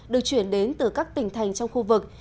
được chuyển đến từ các tỉnh thành trong khu vực